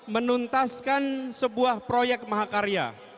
menuntaskan sebuah proyek mahakarya